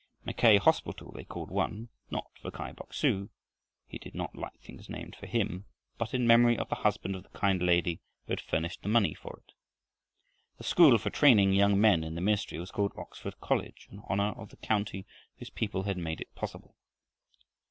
Mackay hospital they called one, not for Kai Bok su he did not like things named for him but in memory of the husband of the kind lady who had furnished the money for it. The school for training young men in the ministry was called Oxford College, in honor of the county whose people had made it possible.